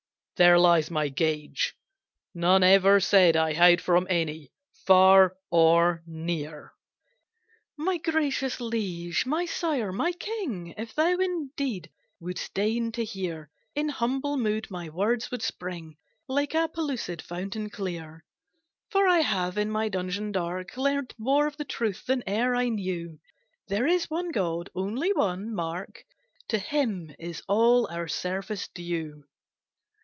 There lies my gage. None ever said I hide from any, far or near." "My gracious Liege, my Sire, my King! If thou indeed wouldst deign to hear, In humble mood, my words would spring Like a pellucid fountain clear, For I have in my dungeon dark Learnt more of truth than e'er I knew, There is one God One only, mark! To Him is all our service due.